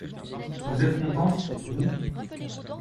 Vous êtes contente, vous.